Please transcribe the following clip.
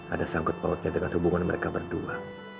ada sanggup maunya dengan hubungan mereka berdua